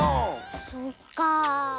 そっかあ。